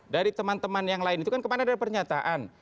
dari teman teman yang lain itu kan kemarin ada pernyataan